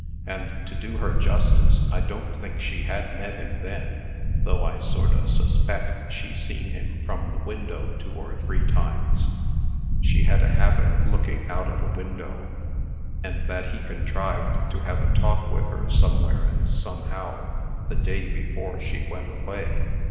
And, to do her justice, I don't think she had met him then, though I sort o' suspeck she seen him from the window two or three times she had a habit of looking out o' the window and that he contrived to have a talk with her somewhere and somehow, the day before she went away.